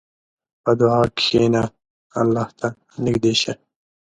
په دعا کښېنه، الله ته نږدې شه.